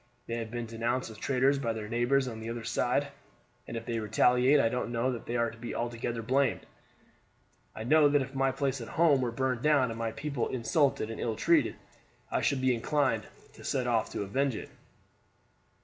They have been denounced as traitors by their neighbors on the other side, and if they retaliate I don't know that they are to be altogether blamed. I know that if my place at home were burned down and my people insulted and ill treated I should be inclined to set off to avenge it."